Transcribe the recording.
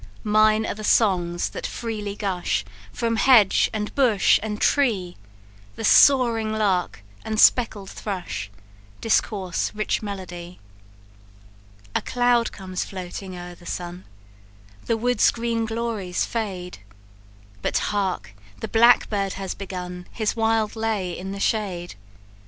Mine are the songs that freely gush From hedge, and bush, and tree; The soaring lark and speckled thrush Discourse rich melody. "A cloud comes floating o'er the sun, The woods' green glories fade; But hark! the blackbird has begun His wild lay in the shade.